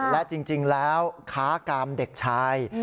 และจริงแล้วค้ากามเด็กชาย